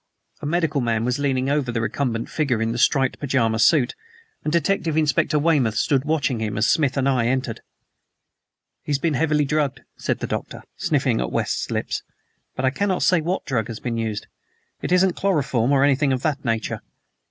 A medical man was leaning over the recumbent figure in the striped pajama suit, and Detective Inspector Weymouth stood watching him as Smith and I entered. "He has been heavily drugged," said the Doctor, sniffing at West's lips, "but I cannot say what drug has been used. It isn't chloroform or anything of that nature.